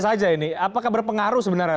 saja ini apakah berpengaruh sebenarnya